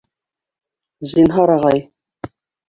— Зинһар, ағай.